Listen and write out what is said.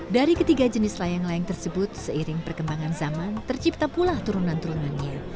dari ketiga jenis layang layang tersebut seiring perkembangan zaman tercipta pula turunan turunannya